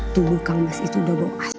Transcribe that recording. tubuh kang mas itu udah bau asem